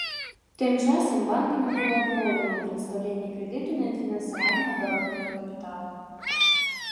Тым часам банкамі было адмоўлена ў прадстаўленні крэдыту на фінансаванне абаротнага капіталу.